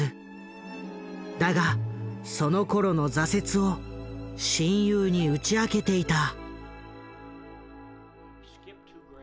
だがそのころの挫折を親友に打ち明けていた。